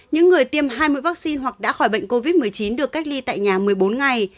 những người tiêm hai mươi vaccine hoặc đã khỏi bệnh covid một mươi chín được cách ly tại nhà một mươi bốn ngày